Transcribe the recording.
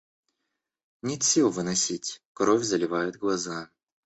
Нет сил выносить, кровь заливает глаза.